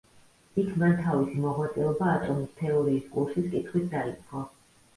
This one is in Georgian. იქ მან თავისი მოღვაწეობა „ატომის თეორიის“ კურსის კითხვით დაიწყო.